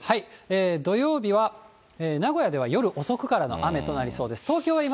土曜日は名古屋では夜遅くからの雨となりそうです。